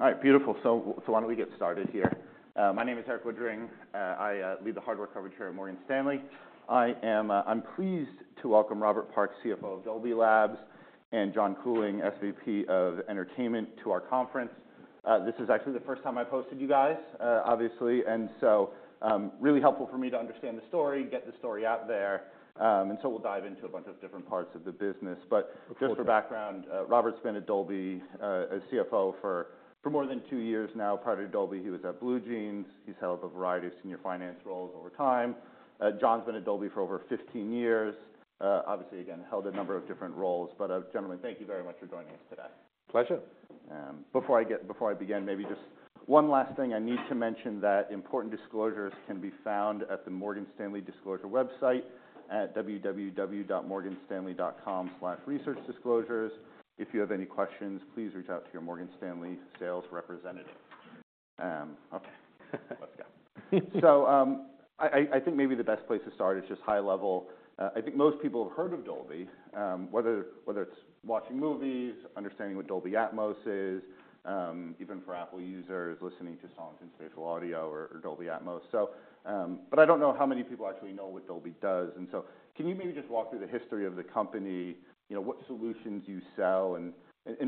All right, beautiful. So why don't we get started here? My name is Erik Woodring. I lead the hardware coverage here at Morgan Stanley. I am... I'm pleased to welcome Robert Park, CFO of Dolby Labs, and John Couling, SVP of Entertainment, to our conference. This is actually the first time I've hosted you guys, obviously, and so really helpful for me to understand the story, get the story out there. And so we'll dive into a bunch of different parts of the business. But just for background, Robert's been at Dolby as CFO for more than two years now. Prior to Dolby, he was at BlueJeans. He's held a variety of senior finance roles over time. John's been at Dolby for over 15 years. Obviously, again, held a number of different roles. Gentlemen, thank you very much for joining us today. Pleasure. Before I begin, maybe just one last thing I need to mention, that important disclosures can be found at the Morgan Stanley disclosure website at www.morganstanley.com/researchdisclosures. If you have any questions, please reach out to your Morgan Stanley sales representative. Okay. Let's go. So, I think maybe the best place to start is just high level. I think most people have heard of Dolby, whether it's watching movies, understanding what Dolby Atmos is, even for Apple users, listening to songs in Spatial Audio or Dolby Atmos. So, but I don't know how many people actually know what Dolby does. And so can you maybe just walk through the history of the company, you know, what solutions you sell, and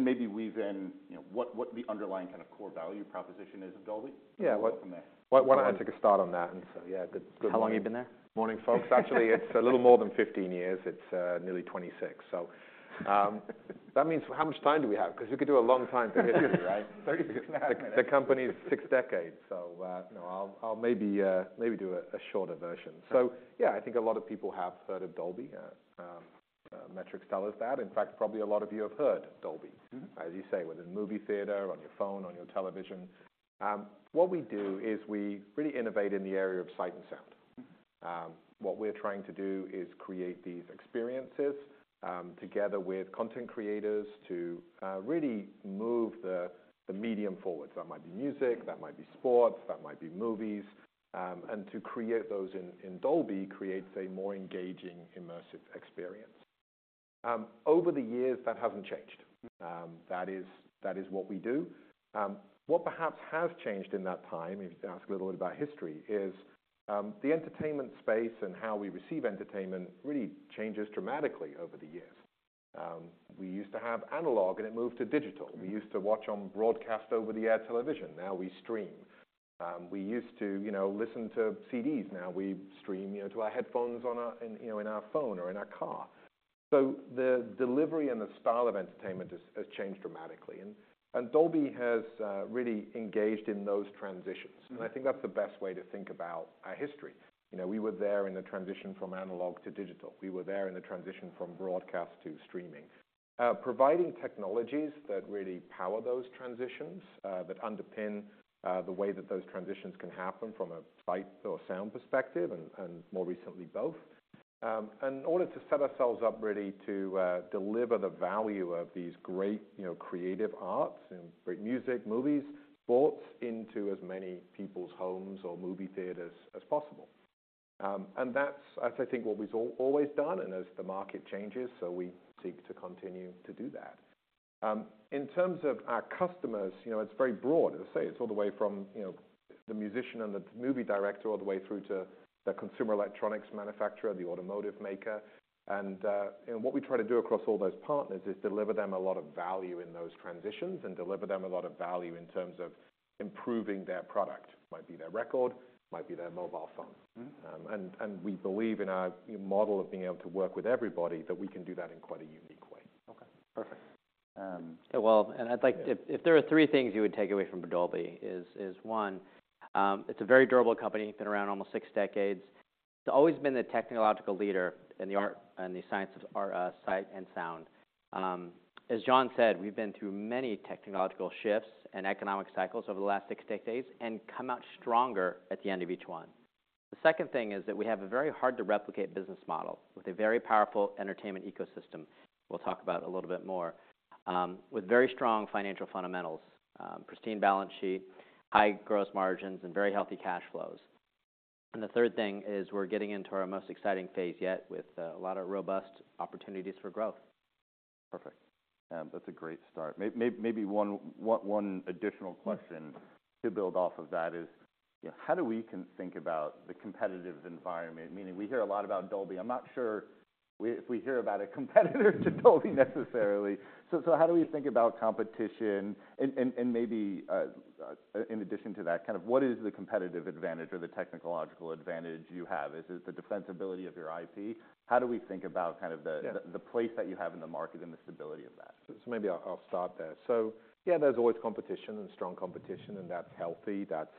maybe weave in, you know, what the underlying kind of core value proposition is of Dolby? Yeah. Welcome there. Why, why don't I take a start on that? And so, yeah, good, good morning. How long you been there? Morning, folks. Actually, it's a little more than 15 years. It's nearly 26. So, that means... How much time do we have? 'Cause we could do a long time for history, right? Thirty minutes. The company is six decades, so no, I'll maybe do a shorter version. So yeah, I think a lot of people have heard of Dolby. Metrics tell us that. In fact, probably a lot of you have heard Dolby- Mm-hmm... as you say, whether in the movie theater, on your phone, on your television. What we do is we really innovate in the area of sight and sound. Mm-hmm. What we're trying to do is create these experiences together with content creators to really move the medium forward. That might be music, that might be sports, that might be movies. And to create those in Dolby creates a more engaging, immersive experience. Over the years, that hasn't changed. Mm. That is what we do. What perhaps has changed in that time, if you ask a little bit about history, is the entertainment space and how we receive entertainment really changes dramatically over the years. We used to have analog, and it moved to digital. We used to watch on broadcast over-the-air television, now we stream. We used to, you know, listen to CDs, now we stream, you know, to our headphones in our phone or in our car. So the delivery and the style of entertainment has changed dramatically, and Dolby has really engaged in those transitions. Mm-hmm. I think that's the best way to think about our history. You know, we were there in the transition from analog to digital. We were there in the transition from broadcast to streaming, providing technologies that really power those transitions, that underpin the way that those transitions can happen from a sight or sound perspective, and more recently, both. In order to set ourselves up really to deliver the value of these great, you know, creative arts and great music, movies, brought into as many people's homes or movie theaters as possible. And that's, I think what we've always done, and as the market changes, so we seek to continue to do that. In terms of our customers, you know, it's very broad. As I say, it's all the way from, you know, the musician and the movie director, all the way through to the consumer electronics manufacturer, the automotive maker. And what we try to do across all those partners is deliver them a lot of value in those transitions and deliver them a lot of value in terms of improving their product. Might be their record, might be their mobile phone. Mm-hmm. And we believe in our model of being able to work with everybody, that we can do that in quite a unique way. Okay, perfect. Well, I'd like... If there are three things you would take away from Dolby is one, it's a very durable company. Been around almost six decades. It's always been the technological leader- Yeah... in the art and the science of sight and sound. As John said, we've been through many technological shifts and economic cycles over the last six decades and come out stronger at the end of each one. The second thing is that we have a very hard-to-replicate business model with a very powerful entertainment ecosystem, we'll talk about a little bit more, with very strong financial fundamentals, pristine balance sheet, high gross margins, and very healthy cash flows. And the third thing is we're getting into our most exciting phase yet, with a lot of robust opportunities for growth. Perfect. That's a great start. Maybe one additional question to build off of that is, you know, how do we think about the competitive environment? Meaning, we hear a lot about Dolby. I'm not sure if we hear about a competitor to Dolby, necessarily. So how do we think about competition? And maybe, in addition to that, kind of what is the competitive advantage or the technological advantage you have? Is it the defensibility of your IP? How do we think about kind of the- Yeah... the place that you have in the market and the stability of that? So maybe I'll start there. So yeah, there's always competition and strong competition, and that's healthy. That's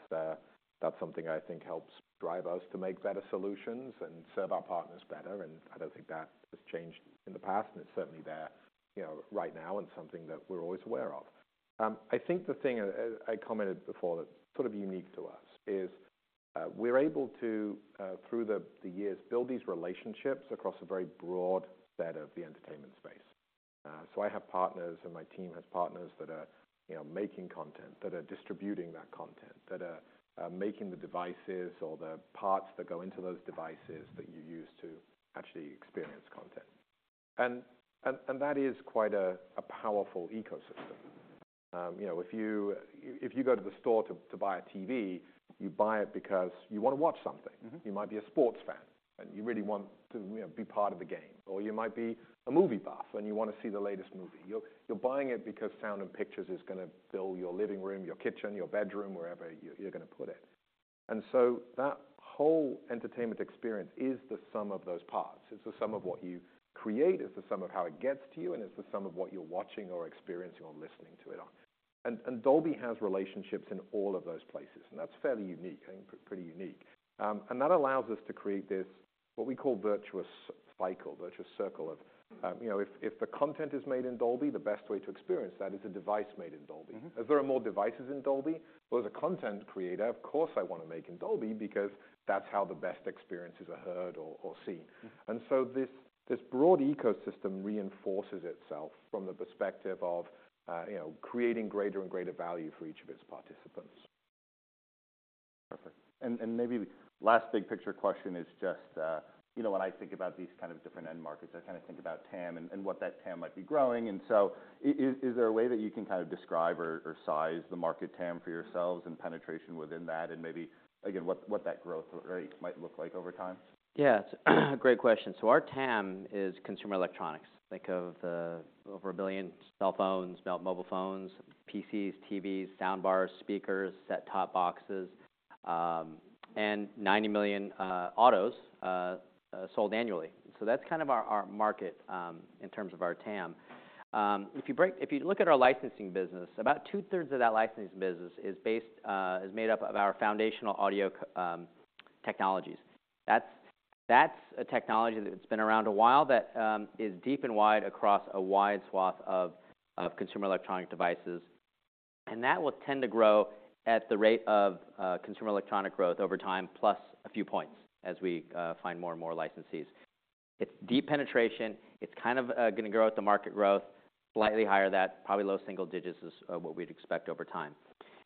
something I think helps drive us to make better solutions and serve our partners better, and I don't think that has changed in the past, and it's certainly there, you know, right now and something that we're always aware of. I think the thing I commented before that's sort of unique to us is we're able to through the years build these relationships across a very broad set of the entertainment space. So I have partners, and my team has partners that are, you know, making content, that are distributing that content, that are making the devices or the parts that go into those devices that you use to actually experience content. And that is quite a powerful ecosystem. You know, if you go to the store to buy a TV, you buy it because you want to watch something. Mm-hmm. You might be a sports fan, and you really want to, you know, be part of the game, or you might be a movie buff, and you want to see the latest movie. You're buying it because sound and pictures is gonna fill your living room, your kitchen, your bedroom, wherever you're gonna put it. And so that whole entertainment experience is the sum of those parts. It's the sum of what you create, it's the sum of how it gets to you, and it's the sum of what you're watching or experiencing or listening to it on. And Dolby has relationships in all of those places, and that's fairly unique, I think, pretty unique. And that allows us to create this, what we call virtuous cycle, virtuous circle of- Mm-hmm... you know, if the content is made in Dolby, the best way to experience that is a device made in Dolby. Mm-hmm. If there are more devices in Dolby, well, as a content creator, of course, I want to make in Dolby because that's how the best experiences are heard or, or seen. Mm. And so this broad ecosystem reinforces itself from the perspective of, you know, creating greater and greater value for each of its participants. Perfect. And maybe last big picture question is just, you know, when I think about these kind of different end markets, I kind of think about TAM and what that TAM might be growing. And so is there a way that you can kind of describe or size the market TAM for yourselves and penetration within that, and maybe again, what that growth rate might look like over time? Yes, great question. So our TAM is consumer electronics. Think of over 1 billion cell phones, mobile phones, PCs, TVs, sound bars, speakers, set-top boxes, and 90 million autos sold annually. So that's kind of our market in terms of our TAM. If you look at our licensing business, about two-thirds of that licensing business is made up of our foundational audio technologies. That's a technology that's been around a while, that is deep and wide across a wide swath of consumer electronic devices. And that will tend to grow at the rate of consumer electronic growth over time, plus a few points as we find more and more licensees. It's deep penetration. It's kind of gonna grow at the market growth, slightly higher that, probably low single digits is what we'd expect over time.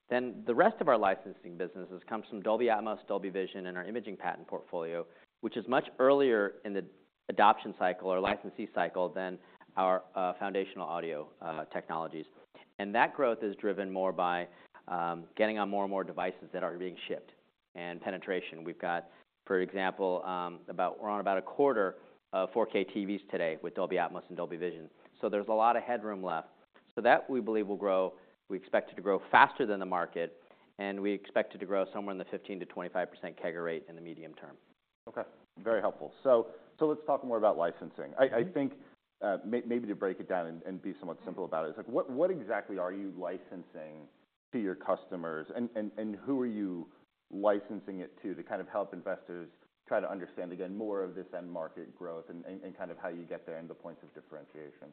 Then, the rest of our licensing businesses comes from Dolby Atmos, Dolby Vision, and our imaging patent portfolio, which is much earlier in the adoption cycle or licensee cycle than our foundational audio technologies. And that growth is driven more by getting on more and more devices that are being shipped and penetration. We've got, for example, about... We're on about a quarter of 4K TVs today with Dolby Atmos and Dolby Vision, so there's a lot of headroom left. So that we believe will grow. We expect it to grow faster than the market, and we expect it to grow somewhere in the 15%-25% CAGR rate in the medium term. Okay, very helpful. So, let's talk more about licensing. Mm-hmm. I think, maybe to break it down and be somewhat simple about it, like what exactly are you licensing to your customers? And who are you licensing it to? To kind of help investors try to understand, again, more of this end market growth and kind of how you get there, and the points of differentiation.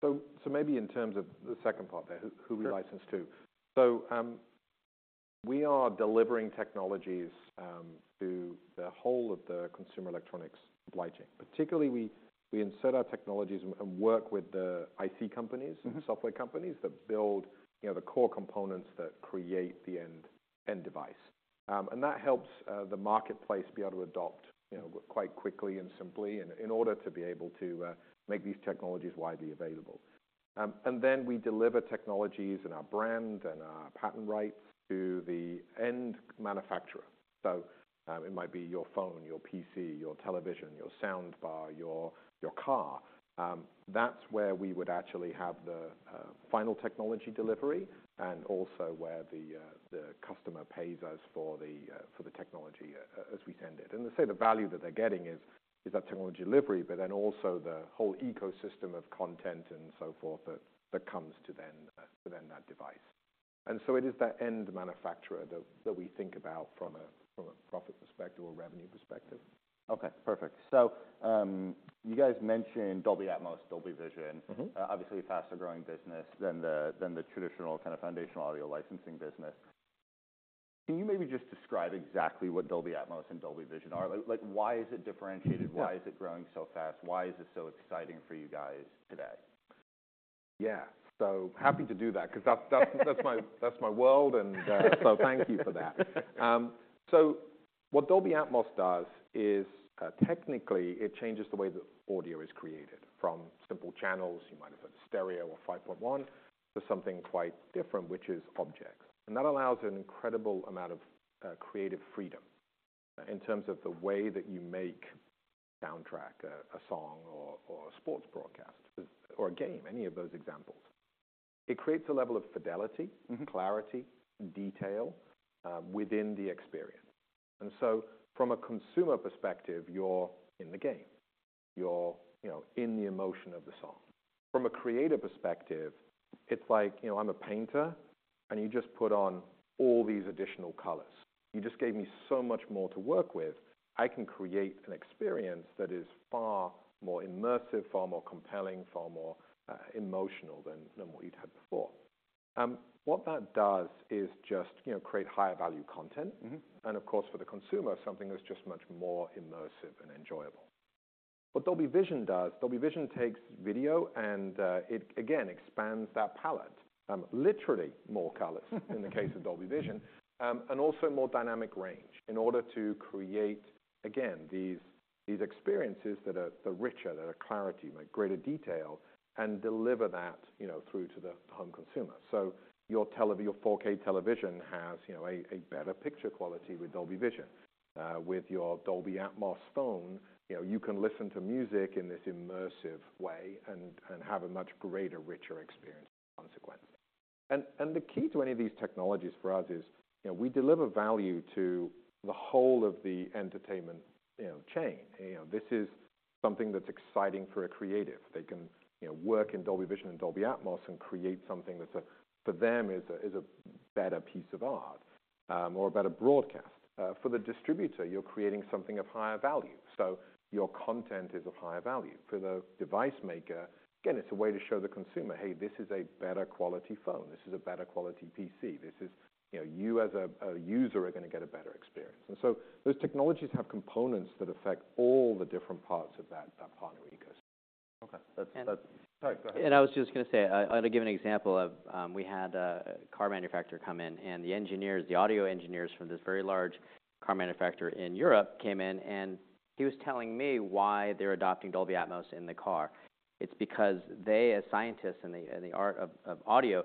So, maybe in terms of the second part there, who we license to. Sure. So, we are delivering technologies to the whole of the consumer electronics supply chain. Particularly, we insert our technologies and work with the IT companies- Mm-hmm... software companies that build, you know, the core components that create the end device. And that helps the marketplace be able to adopt, you know, quite quickly and simply, and in order to be able to make these technologies widely available. And then we deliver technologies and our brand and our patent rights to the end manufacturer. So, it might be your phone, your PC, your television, your sound bar, your car. That's where we would actually have the final technology delivery and also where the customer pays us for the technology as we send it. And I say the value that they're getting is that technology delivery, but then also the whole ecosystem of content and so forth that comes to then within that device. And so it is that end manufacturer that we think about from a profit perspective or revenue perspective. Okay, perfect. So, you guys mentioned Dolby Atmos, Dolby Vision. Mm-hmm. Obviously, a faster growing business than the traditional kind of foundational audio licensing business. Can you maybe just describe exactly what Dolby Atmos and Dolby Vision are? Like, why is it differentiated? Yeah. Why is it growing so fast? Why is it so exciting for you guys today? Yeah. So happy to do that—'cause that's, that's, that's my, that's my world, and so thank you for that. So what Dolby Atmos does is technically it changes the way that audio is created. From simple channels, you might have had stereo or 5.1, to something quite different, which is objects. And that allows an incredible amount of creative freedom in terms of the way that you make soundtrack, a song or a sports broadcast or a game, any of those examples. It creates a level of fidelity. Mm-hmm... clarity, detail within the experience. And so from a consumer perspective, you're in the game. You're, you know, in the emotion of the song. From a creative perspective, it's like, you know, I'm a painter, and you just put on all these additional colors. You just gave me so much more to work with. I can create an experience that is far more immersive, far more compelling, far more emotional than what you'd had before. What that does is just, you know, create higher value content. Mm-hmm. Of course, for the consumer, something that's just much more immersive and enjoyable. What Dolby Vision does, Dolby Vision takes video and, it again, expands that palette, literally more colors in the case of Dolby Vision. And also more dynamic range, in order to create, again, these experiences that are richer, clearer, with greater detail, and deliver that, you know, through to the home consumer. So your 4K television has, you know, a better picture quality with Dolby Vision. With your Dolby Atmos phone, you know, you can listen to music in this immersive way and have a much greater, richer experience consequently. And the key to any of these technologies for us is, you know, we deliver value to the whole of the entertainment, you know, chain. You know, this is something that's exciting for a creative. They can, you know, work in Dolby Vision and Dolby Atmos and create something that's a—for them, a better piece of art, or a better broadcast. For the distributor, you're creating something of higher value, so your content is of higher value. For the device maker, again, it's a way to show the consumer, "Hey, this is a better quality phone. This is a better quality PC. This is... You know, you as a user are gonna get a better experience." And so those technologies have components that affect all the different parts of that partner ecosystem. Okay. That's And- Sorry, go ahead. I was just gonna say, I'll give an example of we had a car manufacturer come in, and the engineers, the audio engineers from this very large car manufacturer in Europe, came in, and he was telling me why they're adopting Dolby Atmos in the car. It's because they, as scientists in the art of audio,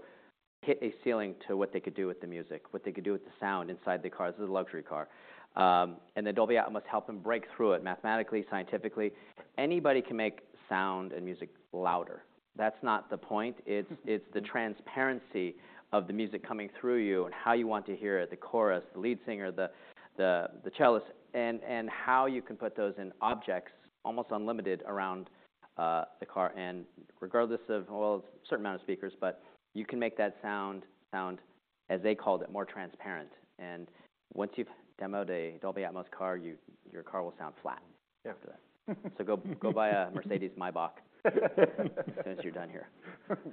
hit a ceiling to what they could do with the music, what they could do with the sound inside the car. This is a luxury car. And the Dolby Atmos helped them break through it, mathematically, scientifically. Anybody can make sound and music louder. That's not the point. It's the transparency of the music coming through you and how you want to hear it, the chorus, the lead singer, the cellist, and how you can put those in objects, almost unlimited, around the car. And regardless of, well, a certain amount of speakers, but you can make that sound, as they called it, more transparent. And once you've demoed a Dolby Atmos car, you, your car will sound flat- Yeah. After that. So go, go buy a Mercedes-Maybach as soon as you're done here.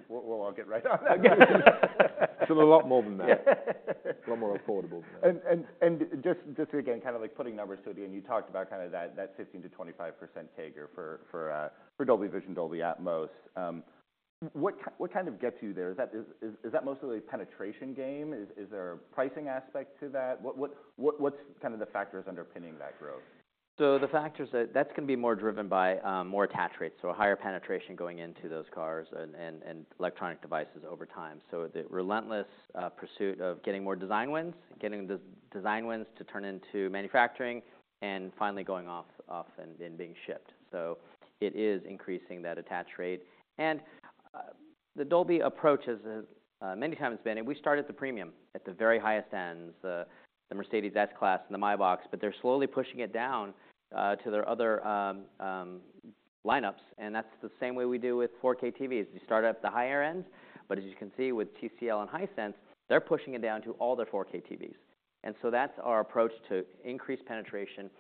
We'll all get right on it. A lot more than that. A lot more affordable than that. Just again, kind of like putting numbers to it, again, you talked about kind of that, that 16%-25% take rate for Dolby Vision, Dolby Atmos. What kind of gets you there? Is that mostly a penetration game? Is there a pricing aspect to that? What kind of the factors underpinning that growth? So the factors that, that's gonna be more driven by more attach rates, so a higher penetration going into those cars and electronic devices over time. So the relentless pursuit of getting more design wins, getting the design wins to turn into manufacturing, and finally going off and being shipped. So it is increasing that attach rate. And the Dolby approach is many times been, and we start at the premium, at the very highest ends, the Mercedes-Benz S-Class and the Mercedes-Maybachs, but they're slowly pushing it down to their other lineups, and that's the same way we do with 4K TVs. We start at the higher end, but as you can see with TCL and Hisense, they're pushing it down to all their 4K TVs. And so that's our approach to increase penetration.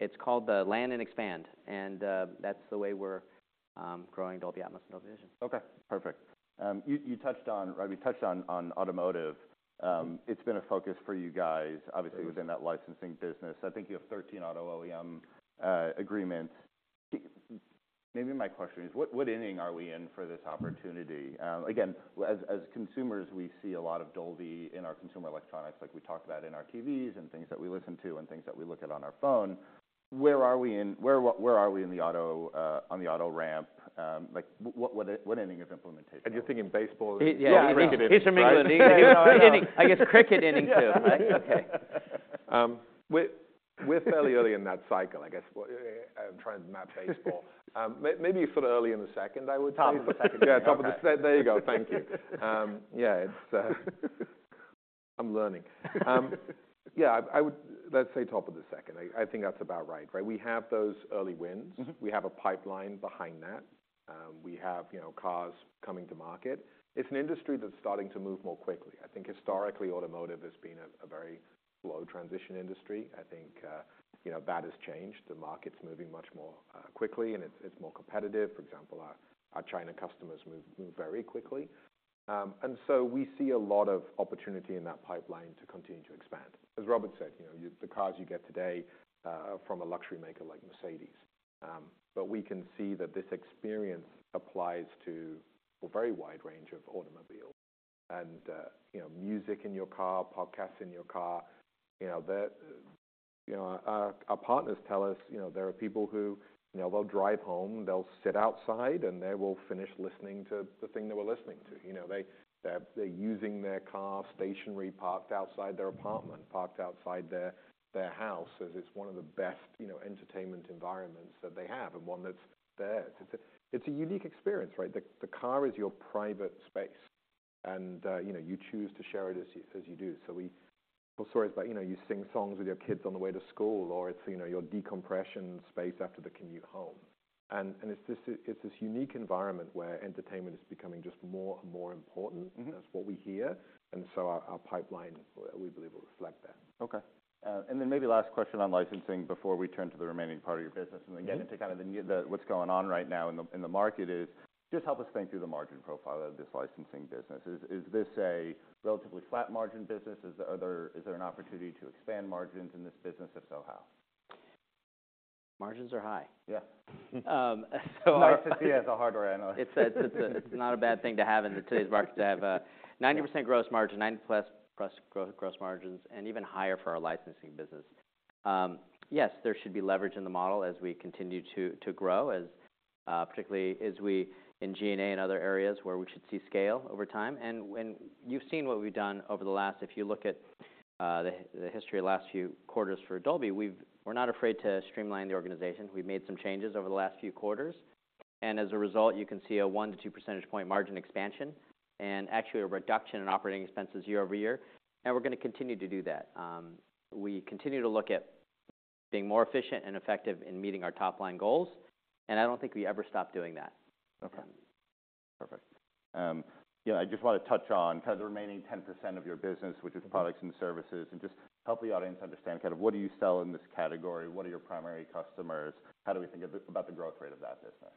It's called the land and expand, and that's the way we're growing Dolby Atmos and Dolby Vision. Okay, perfect. You touched on, right, we touched on automotive. It's been a focus for you guys- Right... obviously, within that licensing business. I think you have 13 auto OEM agreements. Maybe my question is, what inning are we in for this opportunity? Again, as consumers, we see a lot of Dolby in our consumer electronics, like we talked about in our TVs and things that we listen to and things that we look at on our phone. Where are we in the auto, on the auto ramp? Like, what inning is implementation? You're thinking baseball? Yeah. He, yeah, he's from England. Right. Heh, heh, I guess cricket innings too, right? Okay. We're fairly early in that cycle, I guess. I'm trying to map baseball. Maybe sort of early in the second, I would say. Top of the second. Yeah, top of the second. There you go. Thank you. Yeah, it's... I'm learning. Yeah, I would—let's say top of the second. I think that's about right. Right, we have those early wins. Mm-hmm. We have a pipeline behind that. We have, you know, cars coming to market. It's an industry that's starting to move more quickly. I think historically, automotive has been a very slow transition industry. I think, you know, that has changed. The market's moving much more quickly, and it's more competitive. For example, our China customers move very quickly. And so we see a lot of opportunity in that pipeline to continue to expand. As Robert said, you know, the cars you get today are from a luxury maker like Mercedes. But we can see that this experience applies to a very wide range of automobiles. And, you know, music in your car, podcasts in your car, you know, our partners tell us, you know, there are people who, you know, they'll drive home, they'll sit outside, and they will finish listening to the thing they were listening to. You know, they're using their car, stationary, parked outside their apartment, parked outside their house, as it's one of the best, you know, entertainment environments that they have and one that's there. It's a unique experience, right? The car is your private space, and, you know, you choose to share it as you do. So it's like, you know, you sing songs with your kids on the way to school, or it's, you know, your decompression space after the commute home. It's this unique environment where entertainment is becoming just more and more important. Mm-hmm. That's what we hear, and so our pipeline, we believe, will reflect that. Okay. And then maybe last question on licensing before we turn to the remaining part of your business. Mm-hmm... and then get into kind of the what's going on right now in the market. Just help us think through the margin profile of this licensing business. Is this a relatively flat margin business? Is there an opportunity to expand margins in this business? If so, how?... margins are high. Yes. Um, so- Nice to see as a hardware analyst. It's not a bad thing to have in today's market, to have a 90% gross margin, 9%+ gross margins, and even higher for our licensing business. Yes, there should be leverage in the model as we continue to grow, particularly as we in G&A other areas, where we should see scale over time. You've seen what we've done over the last few quarters for Dolby. We're not afraid to streamline the organization. We've made some changes over the last few quarters, and as a result, you can see a 1-2 percentage point margin expansion, and actually a reduction in operating expenses year-over-year, and we're gonna continue to do that. We continue to look at being more efficient and effective in meeting our top-line goals, and I don't think we ever stop doing that. Okay, perfect. Yeah, I just want to touch on kind of the remaining 10% of your business, which is products and services, and just help the audience understand kind of what do you sell in this category? What are your primary customers? How do we think about the growth rate of that business?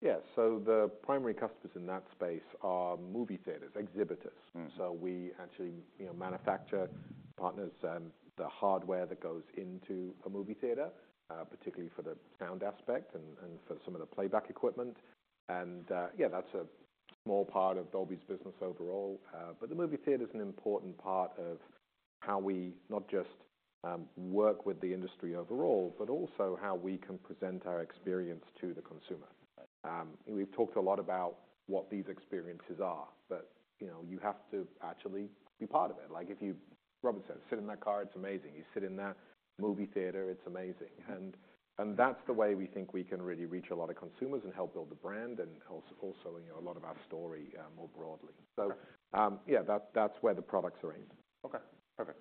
Yes, so the primary customers in that space are movie theaters, exhibitors. Mm. So we actually, you know, manufacture partners, the hardware that goes into a movie theater, particularly for the sound aspect and, and for some of the playback equipment. And, yeah, that's a small part of Dolby's business overall, but the movie theater is an important part of how we not just, work with the industry overall, but also how we can present our experience to the consumer. We've talked a lot about what these experiences are, but, you know, you have to actually be part of it. Like, if you... Robert said, "Sit in that car, it's amazing." You sit in that movie theater, it's amazing. And that's the way we think we can really reach a lot of consumers and help build the brand, and also, you know, a lot of our story, more broadly. Okay. Yeah, that's where the products are aimed. Okay, perfect.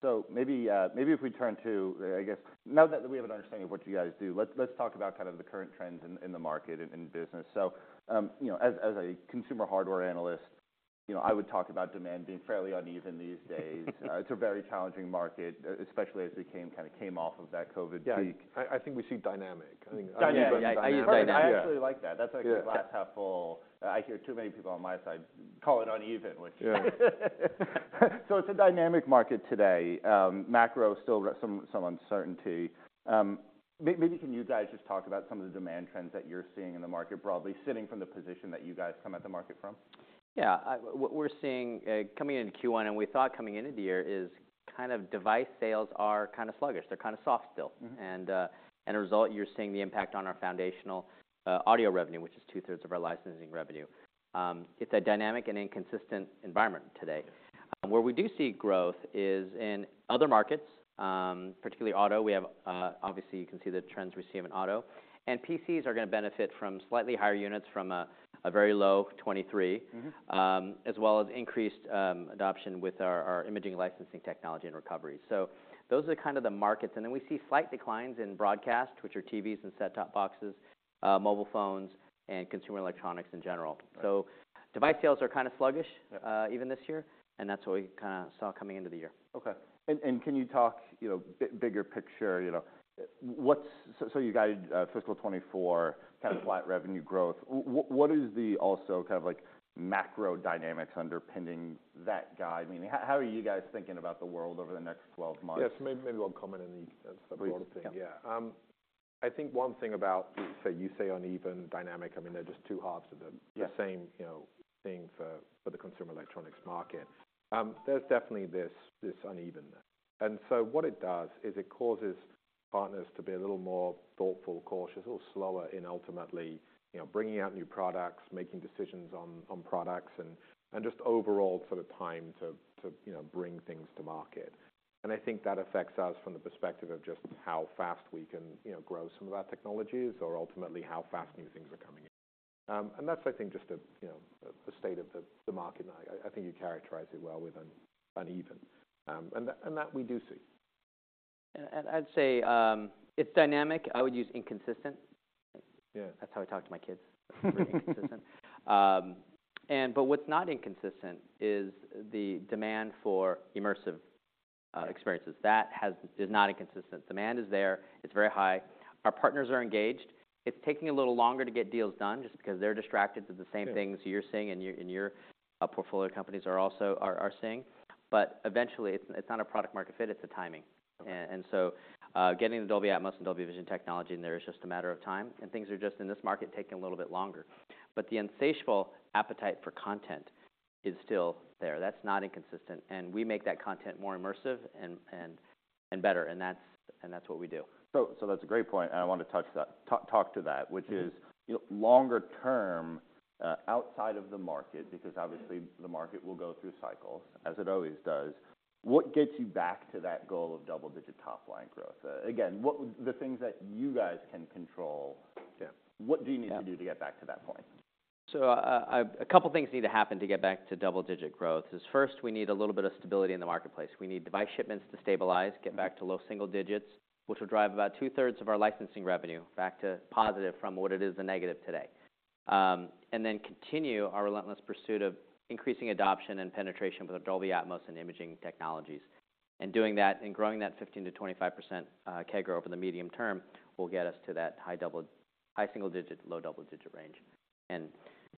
So maybe, maybe if we turn to, I guess, now that we have an understanding of what you guys do, let's, let's talk about kind of the current trends in, in the market and in business. So, you know, as, as a consumer hardware analyst, you know, I would talk about demand being fairly uneven these days. It's a very challenging market, especially as we came, kind of, came off of that COVID peak. Yeah, I think we see dynamic, I think- Dynamic. Yeah, yeah, I use dynamic. I actually like that. Yeah. That's actually a glass half full. I hear too many people on my side call it uneven, which... Yeah. So it's a dynamic market today. Macro still got some uncertainty. Maybe can you guys just talk about some of the demand trends that you're seeing in the market broadly, sitting from the position that you guys come at the market from? Yeah, what we're seeing coming into Q1, and we thought coming into the year, is kind of device sales are kind of soft still. Mm-hmm. As a result, you're seeing the impact on our foundational audio revenue, which is two-thirds of our licensing revenue. It's a dynamic and inconsistent environment today. Yeah. Where we do see growth is in other markets, particularly auto. We have, obviously, you can see the trends we see in auto. And PCs are gonna benefit from slightly higher units from a very low 2023. Mm-hmm. as well as increased adoption with our imaging licensing technology and recovery. So those are kind of the markets. And then we see slight declines in broadcast, which are TVs and set-top boxes, mobile phones, and consumer electronics in general. Right. Device sales are kind of sluggish- Yeah... even this year, and that's what we kinda saw coming into the year. Okay. And can you talk, you know, bigger picture, you know, what's... So you guys, fiscal 2024, kind of flat revenue growth. What is the also kind of like macro dynamics underpinning that guide? I mean, how are you guys thinking about the world over the next 12 months? Yes, maybe, maybe I'll comment on the sub product thing. Yeah. I think one thing about, so you say uneven, dynamic, I mean, they're just two halves of the- Yeah the same, you know, thing for the consumer electronics market. There's definitely this, this uneven. And so what it does is it causes partners to be a little more thoughtful, cautious, or slower in ultimately, you know, bringing out new products, making decisions on products, and just overall sort of time to, you know, bring things to market. And I think that affects us from the perspective of just how fast we can, you know, grow some of our technologies or ultimately how fast new things are coming in. And that's, I think, just a, you know, a state of the market, and I think you characterize it well with uneven, and that we do see. And I'd say, it's dynamic. I would use inconsistent. Yeah. That's how I talk to my kids. Inconsistent. But what's not inconsistent is the demand for immersive experiences. That is not inconsistent. Demand is there, it's very high. Our partners are engaged. It's taking a little longer to get deals done just because they're distracted to the same- Yeah... things you're seeing in your portfolio companies are also seeing. But eventually, it's not a product market fit, it's the timing. Okay. So, getting the Dolby Atmos and Dolby Vision technology in there is just a matter of time, and things are just, in this market, taking a little bit longer. But the insatiable appetite for content is still there. That's not inconsistent, and we make that content more immersive and better, and that's what we do. So that's a great point, and I want to talk to that, which is, you know, longer term, outside of the market, because obviously the market will go through cycles, as it always does. What gets you back to that goal of double-digit top-line growth? Again, what would the things that you guys can control? Yeah. What do you need to do to get back to that point? So, a couple of things need to happen to get back to double-digit growth. First, we need a little bit of stability in the marketplace. We need device shipments to stabilize, get back to low single digits, which will drive about two-thirds of our licensing revenue back to positive from what it is a negative today. And then continue our relentless pursuit of increasing adoption and penetration with Dolby Atmos and imaging technologies. And doing that, and growing that 15%-25% CAGR over the medium term, will get us to that high single-digit to low double-digit range. And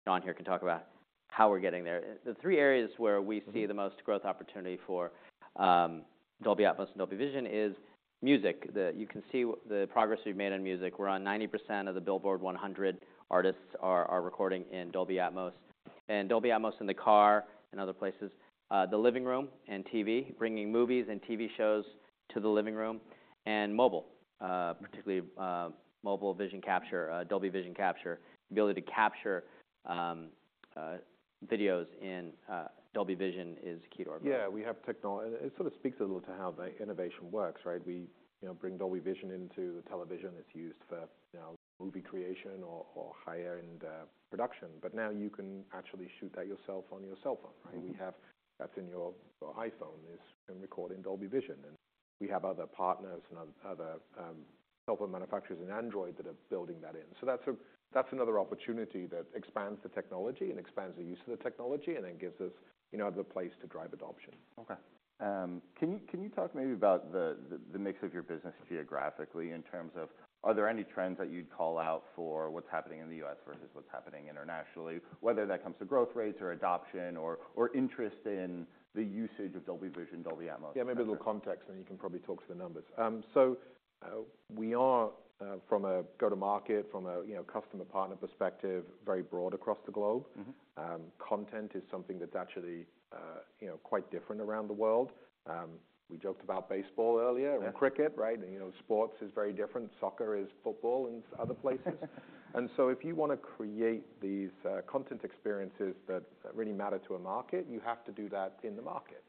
John here can talk about how we're getting there. The three areas where we see the most growth opportunity for Dolby Atmos and Dolby Vision is music. You can see the progress we've made in music. We're on 90% of the Billboard 100 artists are recording in Dolby Atmos, and Dolby Atmos in the car and other places. The living room and TV, bringing movies and TV shows to the living room, and mobile, particularly, mobile vision capture, Dolby Vision capture. The ability to capture videos in Dolby Vision is key to our- Yeah, It, it sort of speaks a little to how the innovation works, right? We, you know, bring Dolby Vision into the television. It's used for, you know, movie creation or, or higher-end production, but now you can actually shoot that yourself on your cell phone, right? Mm-hmm. We have that's in your iPhone can record in Dolby Vision, and we have other partners and other mobile manufacturers in Android that are building that in. So that's another opportunity that expands the technology and expands the use of the technology, and then gives us, you know, other place to drive adoption. Okay. Can you talk maybe about the mix of your business geographically in terms of are there any trends that you'd call out for what's happening in the U.S. versus what's happening internationally? Whether when it comes to growth rates or adoption or interest in the usage of Dolby Vision, Dolby Atmos. Yeah, maybe a little context, and then you can probably talk to the numbers. We are from a go-to-market, from a, you know, customer-partner perspective, very broad across the globe. Mm-hmm. Content is something that's actually, you know, quite different around the world. We joked about baseball earlier- Yeah... and cricket, right? You know, sports is very different. Soccer is football in other places. So if you wanna create these content experiences that really matter to a market, you have to do that in the market.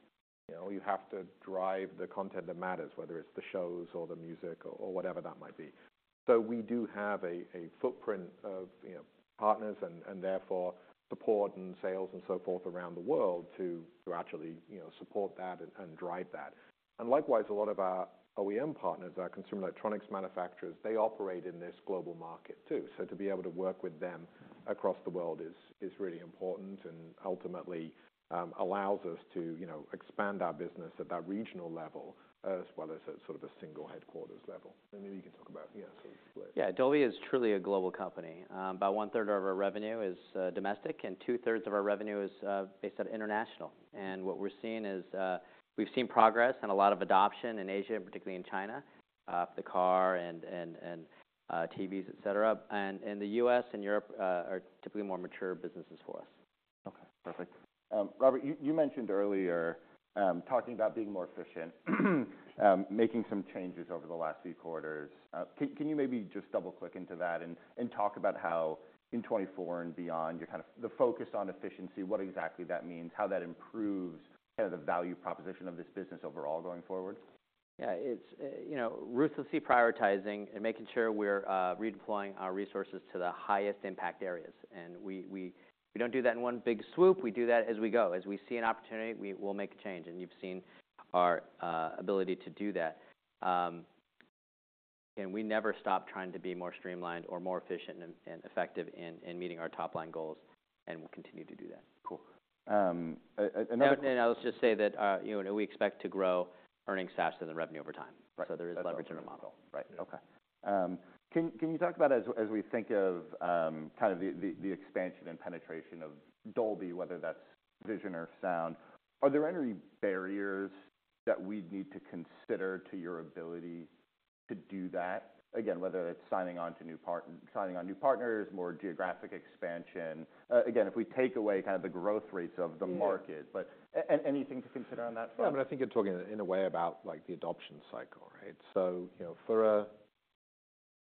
You know, you have to drive the content that matters, whether it's the shows or the music or whatever that might be. We do have a footprint of partners and therefore support and sales and so forth around the world to actually support that and drive that. Likewise, a lot of our OEM partners, our consumer electronics manufacturers, they operate in this global market too. So to be able to work with them across the world is really important and ultimately allows us to, you know, expand our business at that regional level, as well as at sort of a single headquarters level. And then you can talk about, yeah, so split. Yeah, Dolby is truly a global company. About one-third of our revenue is domestic, and two-thirds of our revenue is based out of international. And what we're seeing is, we've seen progress and a lot of adoption in Asia, particularly in China, the car and TVs, et cetera. The U.S. and Europe are typically more mature businesses for us. Okay, perfect. Robert, you mentioned earlier talking about being more efficient, making some changes over the last few quarters. Can you maybe just double-click into that and talk about how in 2024 and beyond, you're kind of the focus on efficiency, what exactly that means, how that improves kind of the value proposition of this business overall going forward? Yeah, it's, you know, ruthlessly prioritizing and making sure we're redeploying our resources to the highest impact areas. We don't do that in one big swoop, we do that as we go. As we see an opportunity, we will make a change, and you've seen our ability to do that. We never stop trying to be more streamlined or more efficient and effective in meeting our top-line goals, and we'll continue to do that. Cool. another- I'll just say that, you know, we expect to grow earnings faster than revenue over time. Right. There is leverage in the model. Right. Okay. Can you talk about as we think of kind of the expansion and penetration of Dolby, whether that's vision or sound, are there any barriers that we'd need to consider to your ability to do that? Again, whether it's signing on new partners, more geographic expansion. Again, if we take away kind of the growth rates of the market- Yeah... but anything to consider on that front? Yeah, but I think you're talking in a way about like the adoption cycle, right? So, you know, for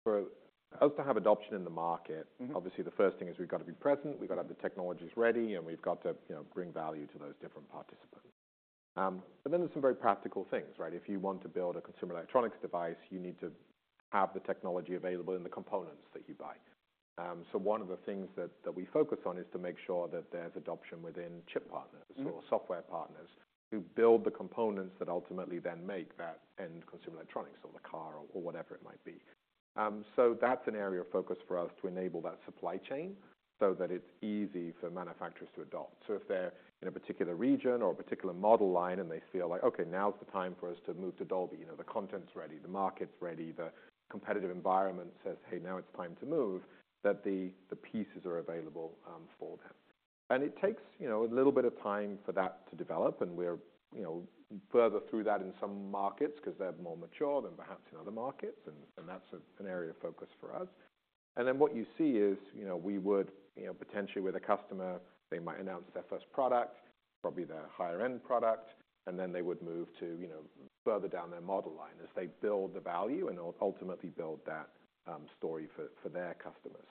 us to have adoption in the market- Mm-hmm... obviously, the first thing is we've got to be present, we've got to have the technologies ready, and we've got to, you know, bring value to those different participants. But then there's some very practical things, right? If you want to build a consumer electronics device, you need to have the technology available in the components that you buy. So one of the things that, that we focus on is to make sure that there's adoption within chip partners- Mm... or software partners, who build the components that ultimately then make that end consumer electronics or the car or, or whatever it might be. So that's an area of focus for us to enable that supply chain so that it's easy for manufacturers to adopt. So if they're in a particular region or a particular model line, and they feel like, "Okay, now's the time for us to move to Dolby," you know, the content's ready, the market's ready, the competitive environment says, "Hey, now it's time to move," that the pieces are available, for them. And it takes, you know, a little bit of time for that to develop, and we're, you know, further through that in some markets 'cause they're more mature than perhaps in other markets, and that's an area of focus for us. And then what you see is, you know, we would, you know, potentially with a customer, they might announce their first product, probably their higher-end product, and then they would move to, you know, further down their model line as they build the value and ultimately build that story for their customers.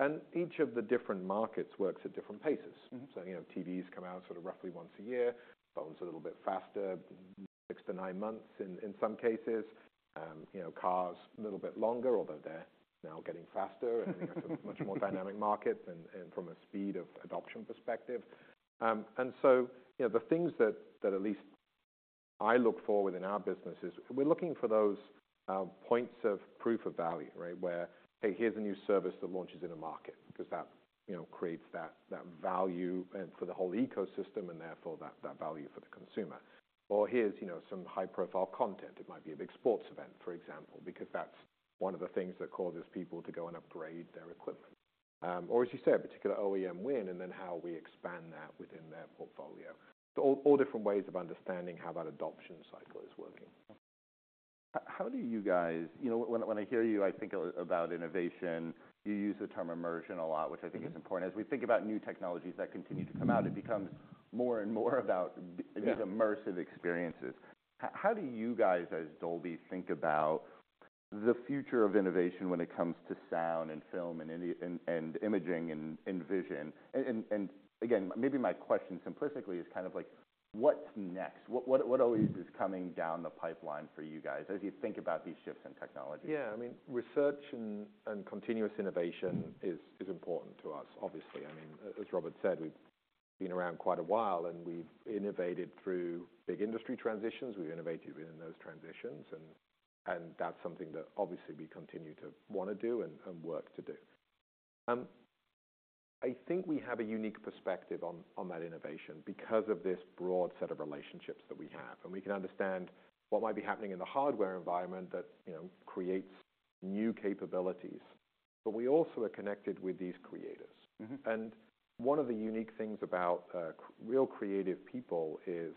And each of the different markets works at different paces. Mm-hmm. So, you know, TVs come out sort of roughly once a year, phones a little bit faster, 6-9 months in some cases, you know, cars a little bit longer, although they're now getting faster, and it's a much more dynamic market than from a speed of adoption perspective. And so, you know, the things that at least I look for within our business is we're looking for those points of proof of value, right? Where, hey, here's a new service that launches in a market because that, you know, creates that value and for the whole ecosystem and therefore, that value for the consumer. Or here's, you know, some high-profile content. It might be a big sports event, for example, because that's one of the things that causes people to go and upgrade their equipment. or as you said, a particular OEM win, and then how we expand that within their portfolio. So all, all different ways of understanding how that adoption cycle is working. How do you guys—you know, when I, when I hear you, I think a little about innovation. You use the term immersion a lot- Mm-hmm. -which I think is important. As we think about new technologies that continue to come out, it becomes more and more about- Yeah These immersive experiences. How do you guys, as Dolby, think about the future of innovation when it comes to sound and film and any, and imaging and vision? And again, maybe my question simplistically is kind of like, what's next? What always is coming down the pipeline for you guys as you think about these shifts in technology? Yeah, I mean, research and continuous innovation is important to us, obviously. I mean, as Robert said, we've been around quite a while, and we've innovated through big industry transitions. We've innovated within those transitions, and that's something that obviously we continue to want to do and work to do. I think we have a unique perspective on that innovation because of this broad set of relationships that we have, and we can understand what might be happening in the hardware environment that, you know, creates new capabilities. But we also are connected with these creators. Mm-hmm. And one of the unique things about real creative people is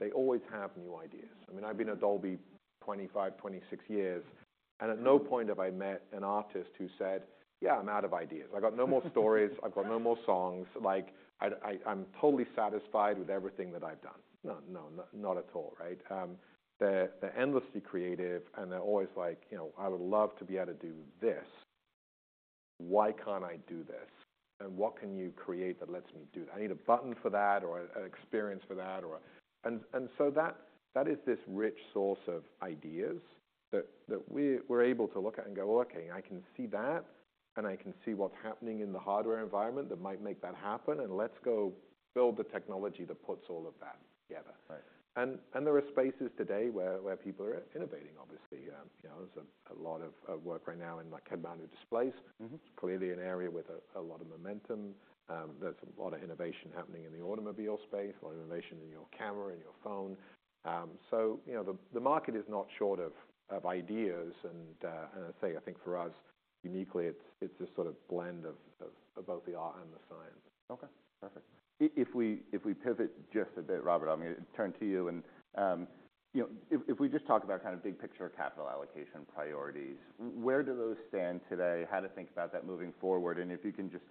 they always have new ideas. I mean, I've been at Dolby 25, 26 years, and at no point have I met an artist who said, "Yeah, I'm out of ideas. I've got no more stories. I've got no more songs. Like, I, I'm totally satisfied with everything that I've done." No, no, not, not at all, right? They're, they're endlessly creative, and they're always like, "You know, I would love to be able to do this. Why can't I do this? And what can you create that lets me do that? I need a button for that or an experience for that, or..." And so that is this rich source of ideas that we're able to look at and go: Okay, I can see that, and I can see what's happening in the hardware environment that might make that happen, and let's go build the technology that puts all of that together. Right. There are spaces today where people are innovating, obviously. You know, there's a lot of work right now in, like, head-mounted displays. Mm-hmm. It's clearly an area with a lot of momentum. There's a lot of innovation happening in the automobile space, a lot of innovation in your camera and your phone. So, you know, the market is not short of ideas, and I think for us, uniquely, it's a sort of blend of both the art and the science. Okay, perfect. If we pivot just a bit, Robert, I'm gonna turn to you, and you know, if we just talk about kind of big picture capital allocation priorities, where do those stand today? How to think about that moving forward, and if you can just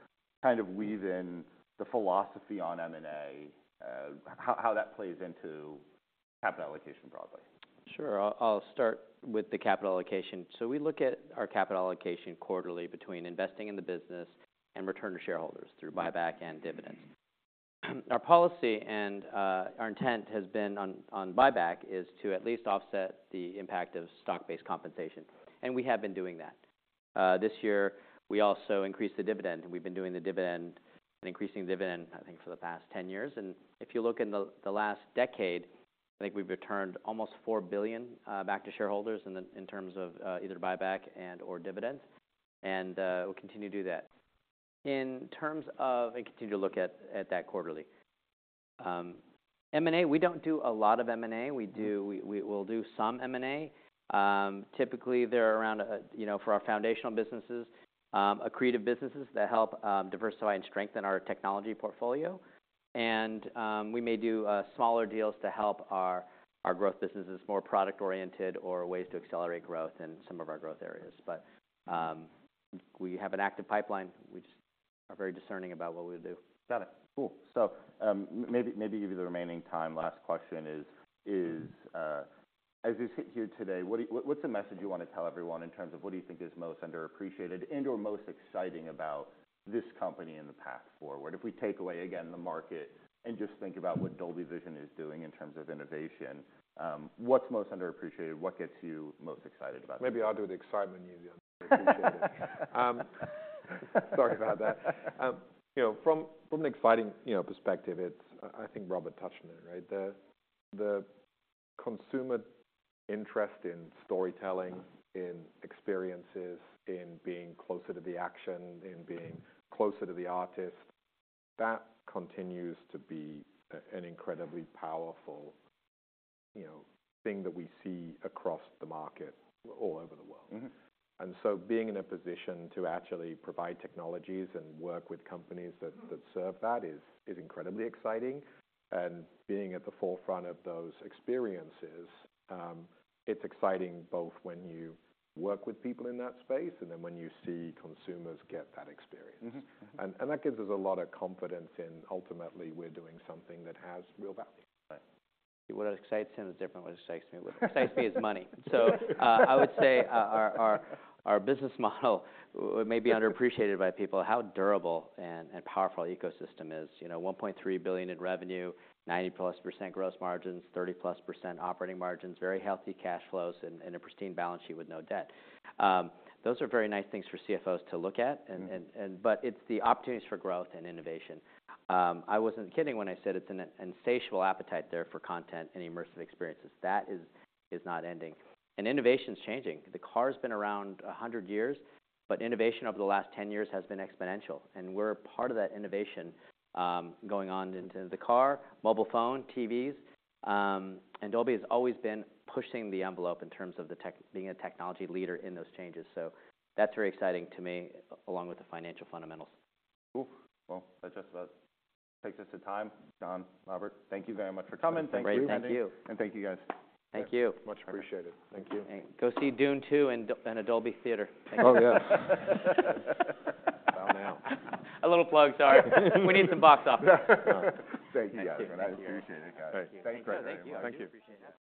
kind of weave in the philosophy on M&A, how that plays into capital allocation broadly? Sure. I'll start with the capital allocation. So we look at our capital allocation quarterly between investing in the business and return to shareholders through buyback and dividends. Mm-hmm. Our policy and, our intent has been on, on buyback, is to at least offset the impact of stock-based compensation, and we have been doing that. This year, we also increased the dividend, and we've been doing the dividend, and increasing the dividend, I think, for the past 10 years. And if you look in the, the last decade, I think we've returned almost $4 billion back to shareholders in the, in terms of, either buyback and/or dividends, and, we'll continue to do that. In terms of... and continue to look at, at that quarterly. M&A, we don't do a lot of M&A. Mm-hmm. We do—we'll do some M&A. Typically, they're around, you know, for our foundational businesses, accretive businesses that help diversify and strengthen our technology portfolio. And we may do smaller deals to help our growth businesses, more product-oriented or ways to accelerate growth in some of our growth areas. But we have an active pipeline. We just are very discerning about what we'll do. Got it. Cool. So, maybe use the remaining time, last question is, as we sit here today, what do you... what's the message you wanna tell everyone in terms of what do you think is most underappreciated and/or most exciting about this company and the path forward? If we take away, again, the market and just think about what Dolby Vision is doing in terms of innovation, what's most underappreciated? What gets you most excited about it? Maybe I'll do the excitement, and you do the underappreciated. Sorry about that. You know, from an exciting, you know, perspective, it's. I think Robert touched on it, right? The consumer interest in storytelling, in experiences, in being closer to the action, in being closer to the artist, that continues to be an incredibly powerful, you know, thing that we see across the market all over the world. Mm-hmm. And so being in a position to actually provide technologies and work with companies that serve that is incredibly exciting. And being at the forefront of those experiences, it's exciting both when you work with people in that space and then when you see consumers get that experience. Mm-hmm. And that gives us a lot of confidence in ultimately we're doing something that has real value. Right. What excites him is different than what excites me. What excites me is money. So, I would say, our business model may be underappreciated by people, how durable and powerful the ecosystem is. You know, $1.3 billion in revenue, 90%+ gross margins, 30%+ operating margins, very healthy cash flows, and a pristine balance sheet with no debt. Those are very nice things for CFOs to look at- Mm-hmm... but it's the opportunities for growth and innovation. I wasn't kidding when I said it's an insatiable appetite there for content and immersive experiences. That is not ending, and innovation's changing. The car's been around 100 years, but innovation over the last 10 years has been exponential, and we're a part of that innovation, going on into the car, mobile phone, TVs. And Dolby has always been pushing the envelope in terms of being a technology leader in those changes. So that's very exciting to me, along with the financial fundamentals. Cool. Well, that just about takes us to time. John, Robert, thank you very much for coming. Thank you. Great. Thank you. Thank you, guys. Thank you. Much appreciated. Thank you. Go see Dune Two in a Dolby theater. Oh, yes. Well, now. A little plug, sorry. We need some box office. Thank you, guys, and I appreciate it, guys. Great. Thank you. Thank you. Appreciate that.